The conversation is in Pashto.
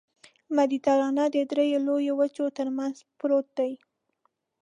مدیترانه د دریو لویو وچو ترمنځ پروت دی.